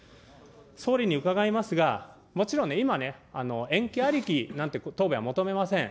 総理に伺いますが、もちろんね、今ね、延期ありきなんて答弁は求めません。